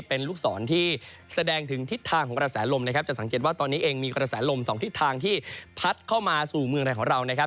เป็นลูกศรที่แสดงถึงทิศทางของกระแสลมนะครับจะสังเกตว่าตอนนี้เองมีกระแสลมสองทิศทางที่พัดเข้ามาสู่เมืองไทยของเรานะครับ